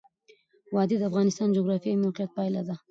وادي د افغانستان د جغرافیایي موقیعت پایله ده.